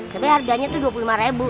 tapi harganya tuh dua puluh lima ribu